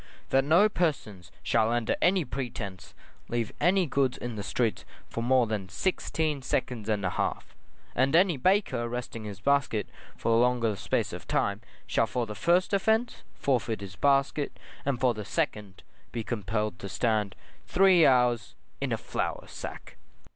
That no persons shall under any pretence leave any goods in the streets for more than sixteen seconds and a half; and any baker resting his basket for a longer space of time, shall for the first offence, forfeit his basket, and for the second, be compelled to stand three hours in a flour sack.